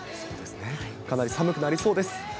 かなり寒くなりそうです。